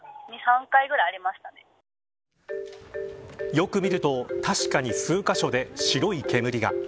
よく見ると、確かに数カ所で白い煙が。